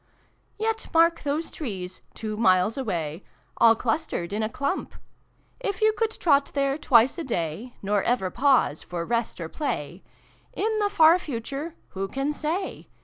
" Yet mark those trees, two miles away, All clustered in a clump: If you could trot there twice a day, Nor ever pause for rest or play, In the far future Who can say